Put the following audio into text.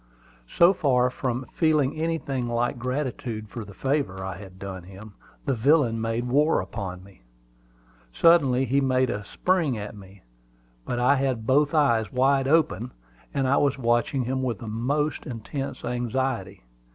So far from feeling anything like gratitude for the favor I had done him, the villain made war upon me. Suddenly he made a spring at me; but I had both eyes wide open, and was watching him with the most intense anxiety.